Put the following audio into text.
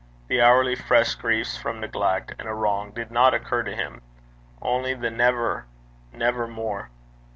The hourly fresh griefs from neglect and wrong did not occur to him; only the never never more.